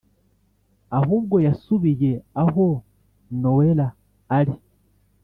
ahubwo yasubiye aho nowela ari